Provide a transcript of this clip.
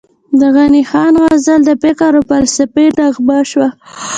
د غني خان غزل د فکر او فلسفې نغمه شوه،